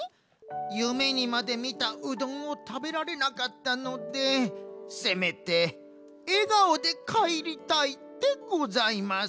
ゆめにまでみたうどんをたべられなかったのでせめてえがおでかえりたいでございます。